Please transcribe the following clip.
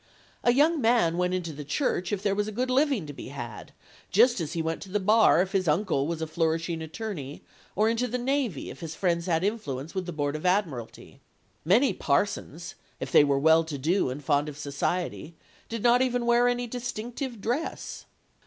A young man went into the Church, if there was a good living to be had, just as he went to the Bar if his uncle was a flourishing attorney, or into the navy if his friends had influence with the Board of Admiralty. Many parsons, if they were well to do and fond of society, did not even wear any distinctive dress.